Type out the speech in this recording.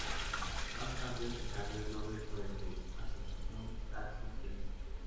Más tarde se cambió el nombre por el de "Associazione Calcio Treviso".